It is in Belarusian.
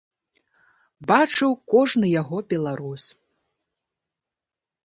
Бачыў кожны яго беларус.